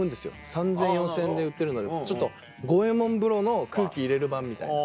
３０００円４０００円で売ってるちょっと五右衛門風呂の空気入れる版みたいな。